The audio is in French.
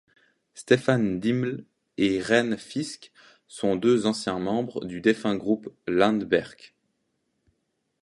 Stefan Dimle et Reine Fiske sont deux anciens membres du défunt groupe Landberk.